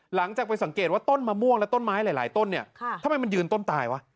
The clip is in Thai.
หลังจากไปสังเกตว่าต้นมะม่วงและต้นไม้หลายต้นเนี่ยทำไมมันยืนต้นตายวะ